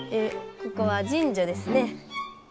ここは神社ですね。